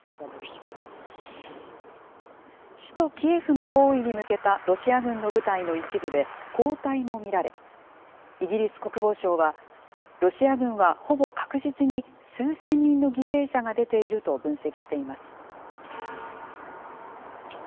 首都キエフの包囲に向けたロシア軍の部隊の一部で後退も見られ、イギリス国防省は、ロシア軍はほぼ確実に数千人の犠牲者が出ていると分析しています。